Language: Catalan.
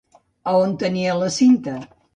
A on el tenia la Cinta?